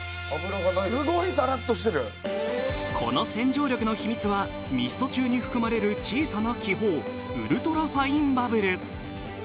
すごいさらっとしてるこの洗浄力の秘密はミスト中に含まれる小さな気泡ウルトラファインバブル